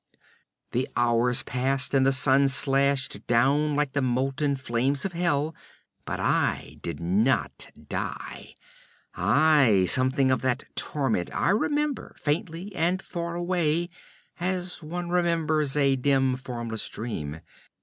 The hours passed, and the sun slashed down like the molten flames of hell, but I did not die aye, something of that torment I remember, faintly and far away, as one remembers a dim, formless dream.